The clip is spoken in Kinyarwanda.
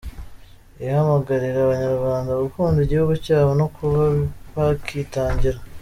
Ihamagarira abanyarwanda gukunda igihugu cyabo no kuba bakitangira.